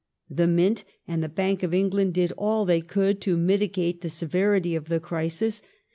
The Mint and the Bank of England did all they could to mitigate the severity of the crisis.